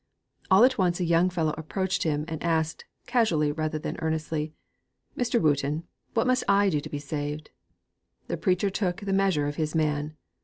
All at once a young fellow approached him and asked, casually rather than earnestly, 'Mr. Wooton, what must I do to be saved?' The preacher took the measure of his man.